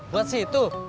buat si itu